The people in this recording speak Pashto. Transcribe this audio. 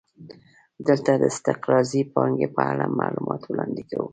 دلته د استقراضي پانګې په اړه معلومات وړاندې کوو